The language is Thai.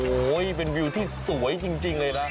โอ้โหเป็นวิวที่สวยจริงเลยนะ